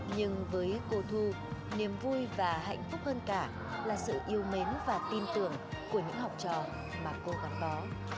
nhưng với cô thu niềm vui và hạnh phúc hơn cả là sự yêu mến và tin tưởng của những học trò mà cô gắn bó